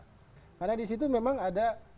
karena di situ memang ada